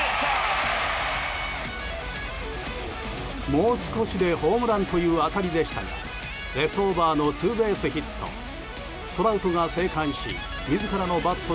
もう少しでホームランという当たりでしたがレフトオーバーのツーベースヒット。